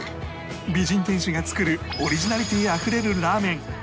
美人店主が作るオリジナリティあふれるラーメン